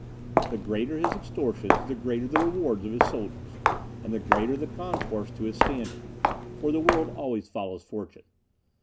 The greater his extortions, the greater the rewards of his soldiers, and the greater the concourse to his standard, for the world always follows fortune.